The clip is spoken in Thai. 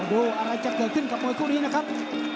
ดูอะไรจะเกิดขึ้นกับมวยคู่นี้นะครับ